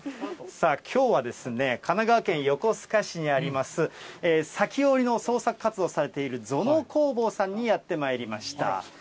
さあ、きょうは、神奈川県横須賀市にあります、裂き織りの創作活動をされているゾノ工房さんにやってまいりました。